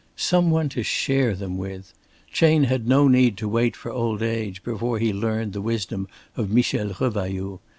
Some one to share them with! Chayne had no need to wait for old age before he learnt the wisdom of Michel Revailloud.